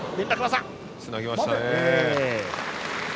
つなげましたね。